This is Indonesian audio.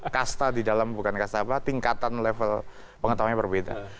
kasta di dalam bukan kasta apa tingkatan level pengetahuannya berbeda